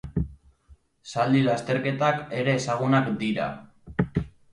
Zaldi lasterketak ere ezagunak dira.